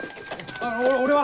あの俺は？